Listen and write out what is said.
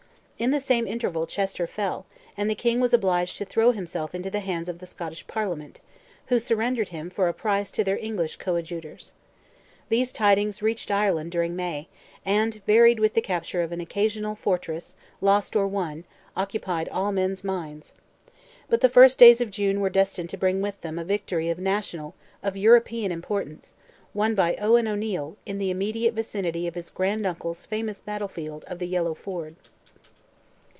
In the same interval Chester fell, and the King was obliged to throw himself into the hands of the Scottish Parliament, who surrendered him for a price to their English coadjutors. These tidings reached Ireland during May, and, varied with the capture of an occasional fortress, lost or won, occupied all men's minds. But the first days of June were destined to bring with them a victory of national—of European importance—won by Owen O'Neil, in the immediate vicinity of his grand uncle's famous battle field of the Yellow Ford.